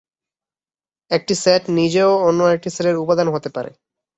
একটি সেট নিজেও অন্য আরেকটি সেটের উপাদান হতে পারে।